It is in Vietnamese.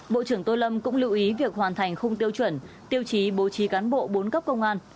bộ trưởng tô lâm cũng lưu ý việc hoàn thành khung tiêu chuẩn tiêu chí bố trí cán bộ bốn cấp công an